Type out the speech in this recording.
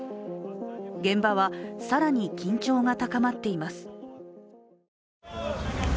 現場は更に緊張が高まっています。